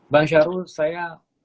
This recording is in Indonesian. bang syahrul saya